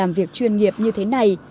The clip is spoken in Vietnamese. làm việc chuyên nghiệp như thế này